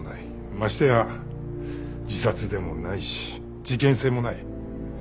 ましてや自殺でもないし事件性もない。